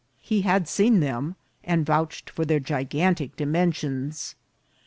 He had seen them, and vouched for their gigantic dimensions.